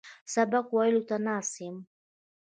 سبق ویلو ته ناست یم.